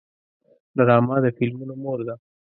ډرامه د فلمونو مور ده